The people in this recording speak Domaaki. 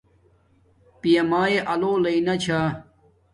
پیا مایے آلو لینا چھا